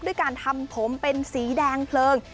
ด้วยการทำผมเป็นสีแดงเพลิง